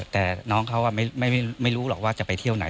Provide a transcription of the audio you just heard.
แต่น้องเขาไม่รู้หรอกว่าจะไปเที่ยวไหน